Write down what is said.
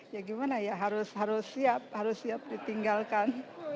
ya gimana ya harus siap ditinggalkan